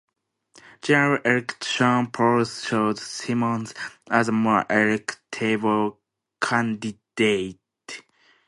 General election polls showed Simmons as the more electable candidate.